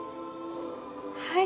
はい。